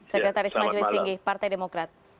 sekretaris majelis tinggi partai demokrat